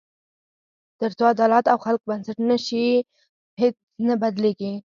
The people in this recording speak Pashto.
تر څو عدالت او خلک بنسټ نه شي، هیڅ نه بدلېږي.